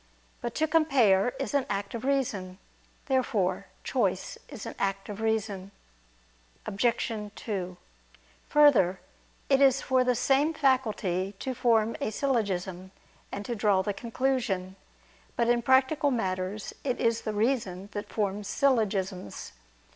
But to compare is an act of reason. Therefore choice is an act of reason. Obj. 2: Further, it is for the same faculty to form a syllogism, and to draw the conclusion. But, in practical matters, it is the reason that forms syllogisms.